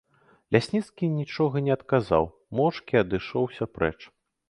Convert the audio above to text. Лясніцкі нічога не адказаў, моўчкі адышоўся прэч.